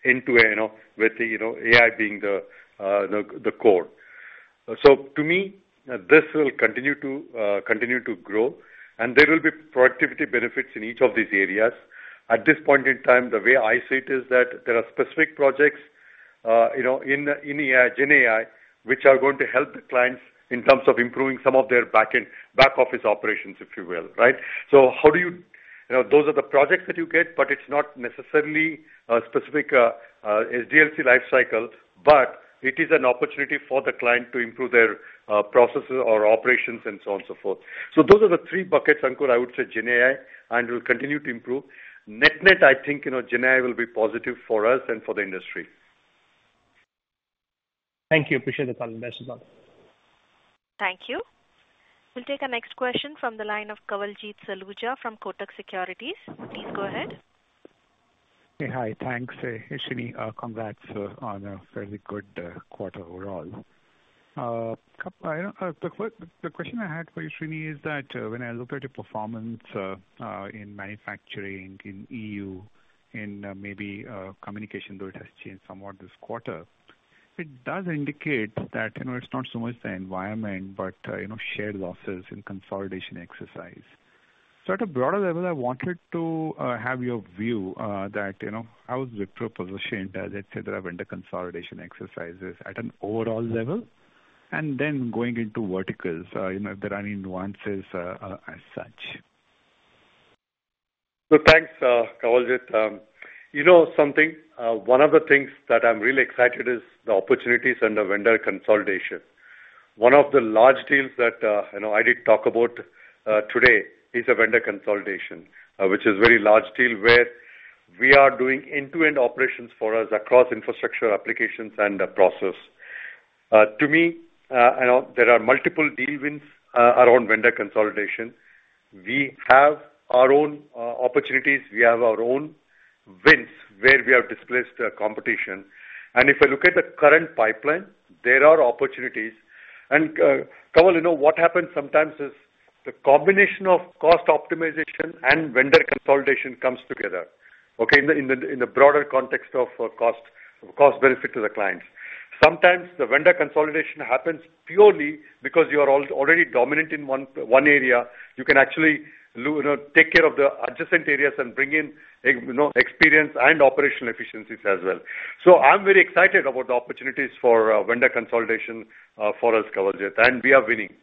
into a, you know, with, you know, AI being the core. So to me, this will continue to grow, and there will be productivity benefits in each of these areas. At this point in time, the way I see it is that there are specific projects, you know, in AI, GenAI, which are going to help the clients in terms of improving some of their backend, back office operations, if you will, right? Those are the projects that you get, but it's not necessarily a specific SDLC life cycle, but it is an opportunity for the client to improve their processes or operations and so on, so forth. So those are the three buckets, Ankur, I would say GenAI, and will continue to improve. Net-net, I think, you know, GenAI will be positive for us and for the industry. Thank you. Appreciate the time. Thanks a lot. Thank you. We'll take our next question from the line of Kawaljeet Saluja from Kotak Securities. Please go ahead. Hey, hi. Thanks, Srini. Congrats on a very good quarter overall. The question I had for you, Srini, is that when I look at your performance in manufacturing, in EU, in maybe communication, though it has changed somewhat this quarter, it does indicate that, you know, it's not so much the environment, but you know, shared losses in consolidation exercise. So at a broader level, I wanted to have your view that, you know, how is Wipro positioned as it said, around the consolidation exercises at an overall level, and then going into verticals, you know, if there are any nuances as such? Thanks, Kawaljeet. You know something, one of the things that I'm really excited is the opportunities under vendor consolidation. One of the large deals that, you know, I did talk about, today is a vendor consolidation, which is a very large deal, where we are doing end-to-end operations for U.S. across infrastructure, applications, and the process. To me, you know, there are multiple deal wins around vendor consolidation. We have our own opportunities. We have our own wins, where we have displaced the competition, and if I look at the current pipeline, there are opportunities, and Kawaljeet, you know, what happens sometimes is the combination of cost optimization and vendor consolidation comes together, okay, in the broader context of cost benefit to the clients. Sometimes the vendor consolidation happens purely because you are already dominant in one area. You can actually take care of the adjacent areas and bring in, you know, experience and operational efficiencies as well. So I'm very excited about the opportunities for vendor consolidation for us, Kawaljeet, and we are winning.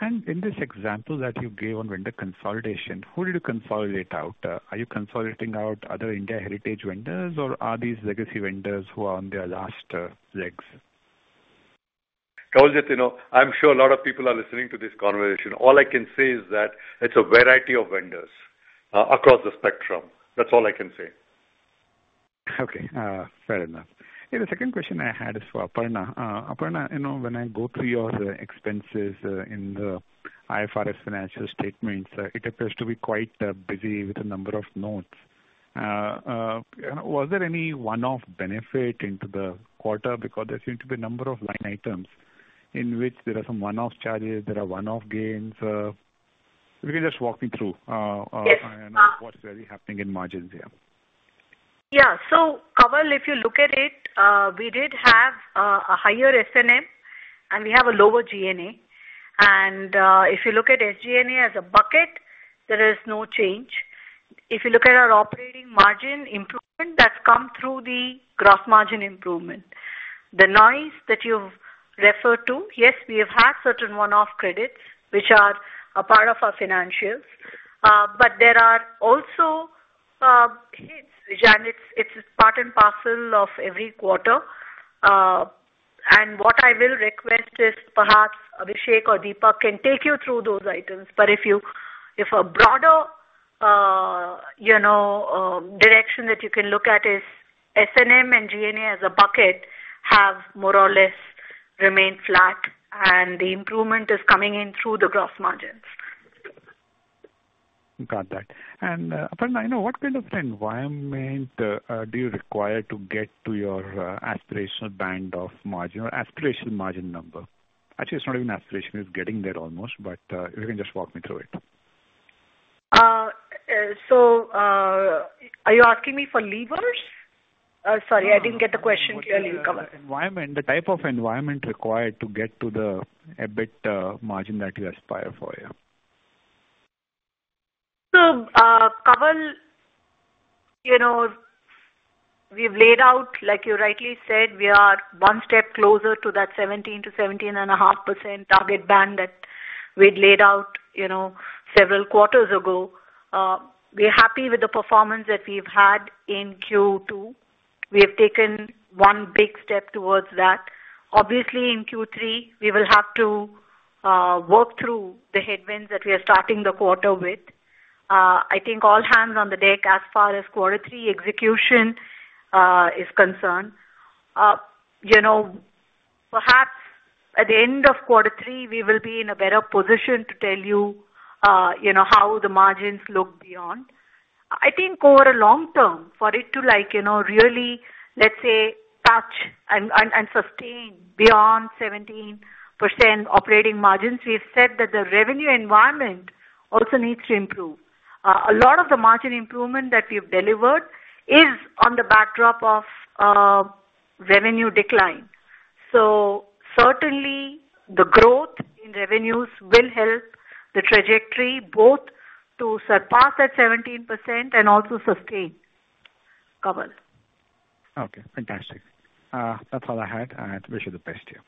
And in this example that you gave on vendor consolidation, who did you consolidate out? Are you consolidating out other India heritage vendors, or are these legacy vendors who are on their last legs? Kawaljeet, you know, I'm sure a lot of people are listening to this conversation. All I can say is that it's a variety of vendors, across the spectrum. That's all I can say. Okay, fair enough. And the second question I had is for Aparna. Aparna, you know, when I go through your expenses in the IFRS financial statements, it appears to be quite busy with a number of notes. Was there any one-off benefit into the quarter? Because there seem to be a number of line items in which there are some one-off charges, there are one-off gains. If you can just walk me through, Yes. What's really happening in margins there? Yeah. So, Kawaljeet, if you look at it, we did have a higher S&M, and we have a lower G&A. And if you look at SG&A as a bucket, there is no change. If you look at our operating margin improvement, that's come through the gross margin improvement. The noise that you've referred to, yes, we have had certain one-off credits, which are a part of our financials. But there are also hits, and it's, it's part and parcel of every quarter. And what I will request is perhaps Abhishek or Deepak can take you through those items. But if a broader, you know, direction that you can look at is S&M and G&A as a bucket, have more or less remained flat, and the improvement is coming in through the gross margins. Got that. And, Aparna, I know, what kind of environment do you require to get to your aspirational band of margin or aspirational margin number? Actually, it's not even aspirational, it's getting there almost, but if you can just walk me through it. So, are you asking me for levers? Sorry, I didn't get the question clearly, Kawaljeet. Environment, the type of environment required to get to the EBIT margin that you aspire for, yeah. So, Kawaljeet, you know, we've laid out, like you rightly said, we are one step closer to that 17% to 17.5% target band that we'd laid out, you know, several quarters ago. We're happy with the performance that we've had in Q2. We have taken one big step towards that. Obviously, in Q3, we will have to work through the headwinds that we are starting the quarter with. I think all hands on the deck as far as quarter three execution is concerned. You know, perhaps at the end of quarter three, we will be in a better position to tell you how the margins look beyond. I think over a long term, for it to like, you know, really, let's say, touch and sustain beyond 17% operating margins, we've said that the revenue environment also needs to improve. A lot of the margin improvement that we've delivered is on the backdrop of revenue decline. So certainly, the growth in revenues will help the trajectory both to surpass that 17% and also sustain, Kawaljeet. Okay, fantastic. That's all I had, and I wish you the best here.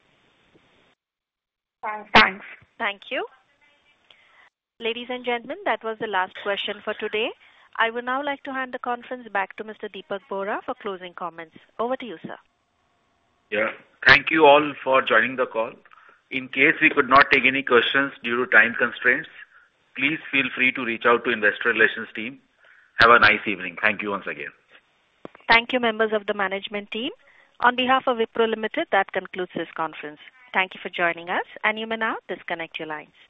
Thanks. Thank you. Ladies and gentlemen, that was the last question for today. I would now like to hand the conference back to Mr. Deepak Bohra for closing comments. Over to you, sir. Yeah. Thank you all for joining the call. In case we could not take any questions due to time constraints, please feel free to reach out to Investor Relations team. Have a nice evening. Thank you once again. Thank you, members of the management team. On behalf of Wipro Limited, that concludes this conference. Thank you for joining us, and you may now disconnect your lines.